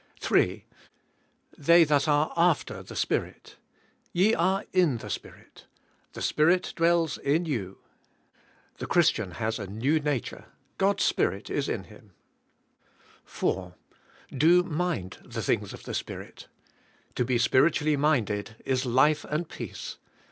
3. "They that ar^ (2//^r the Spirit ye are in the Spirit the Spirit dwells in yoii,''^ The Christian has a nev/ nature; God's Spirit is in him. 4. "Z^6> ;/2//z<i the thing's of the Spirit." To be spiritually minded is life and peace.